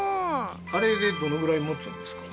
あれでどのぐらいもつんですか？